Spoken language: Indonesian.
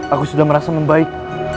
aku sudah merasa membaik